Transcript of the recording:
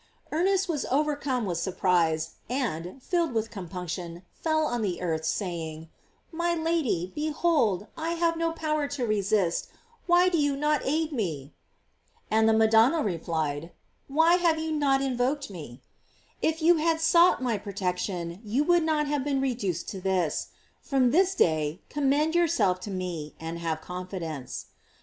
Ernest was over whelmed with surprise, and, filled with com punction, fell on the earth, saying: "My Lady, behold, I have no power to resist, why do you not aid me?" and the Madonna replied: "Why GLORIES OP MARY. 77 have you not invoked me? If you had sought my protection, you would not have been reduced to this; from this day commend yourself to me, and have confidence."